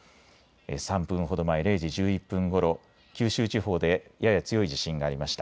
３分ほど前、０時１１分ごろ九州地方でやや強い地震がありました。